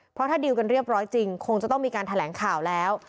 เพราะถ้าดีลกันเรียบร้อยจริงคงจะต้องมีการแถลงข่าวแล้ว